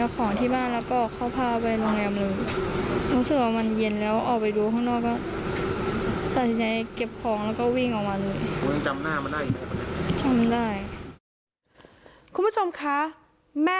คุณผู้ชมค่ะ